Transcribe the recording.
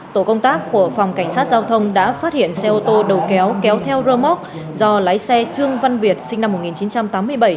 tổ công tác của phòng cảnh sát giao thông đã phát hiện xe ô tô đầu kéo kéo theo rơ móc do lái xe trương văn việt sinh năm một nghìn chín trăm tám mươi bảy